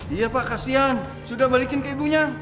iya pak kasian sudah balikin ke ibunya